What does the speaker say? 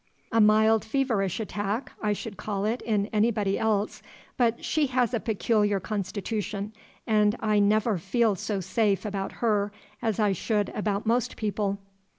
"A mild feverish attack, I should call it in anybody else; but she has a peculiar constitution, and I never feel so safe about her as I should about most people."